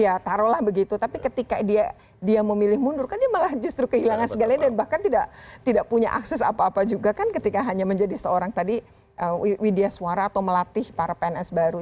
ya taruhlah begitu tapi ketika dia memilih mundur kan dia malah justru kehilangan segalanya dan bahkan tidak punya akses apa apa juga kan ketika hanya menjadi seorang tadi widya suara atau melatih para pns baru